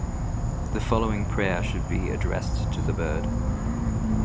The following prayer should be addressed to the bird.